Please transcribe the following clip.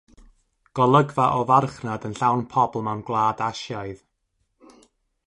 Golygfa o farchnad yn llawn pobl mewn gwlad Asiaidd.